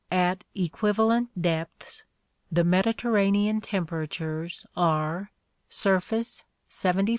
At equivalent depths the Mediterranean temperatures are: surface, 750 F.